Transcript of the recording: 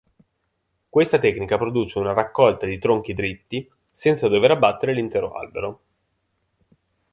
Questa tecnica produce una raccolta di tronchi dritti senza dover abbattere l'intero albero.